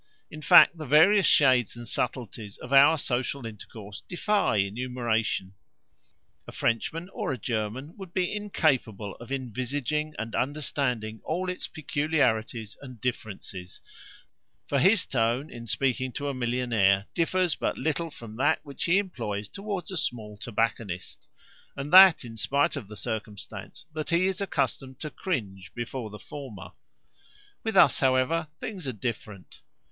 In fact the various shades and subtleties of our social intercourse defy enumeration. A Frenchman or a German would be incapable of envisaging and understanding all its peculiarities and differences, for his tone in speaking to a millionaire differs but little from that which he employs towards a small tobacconist and that in spite of the circumstance that he is accustomed to cringe before the former. With us, however, things are different.